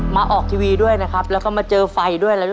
ออกทีวีด้วยนะครับแล้วก็มาเจอไฟด้วยแล้วลูก